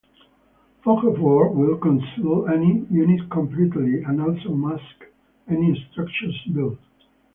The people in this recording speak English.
Fog of War will conceal any unit completely and also mask any structures built.